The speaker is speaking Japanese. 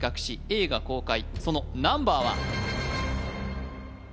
映画公開そのナンバーは？